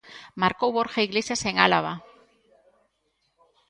Marcou Borja Iglesias en Álava.